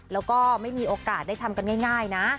แล้วก็ไม่มีโอกาสได้ทำกันง่ายนะ